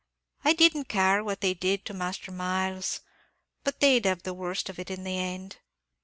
I didn't care what they did to Master Myles, but they'd have the worst of it in the end."